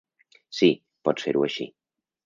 Sí, pots fer-ho així.